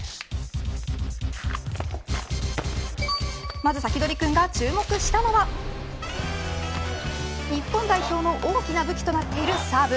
まずサキドリくんが注目したのは日本代表の大きな武器となっているサーブ。